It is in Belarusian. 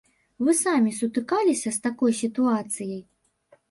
Вы самі сутыкаліся з такой сітуацыяй?